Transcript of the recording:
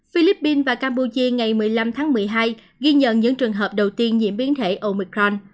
philippines và campuchia ngày một mươi năm tháng một mươi hai ghi nhận những trường hợp đầu tiên nhiễm biến thể omicron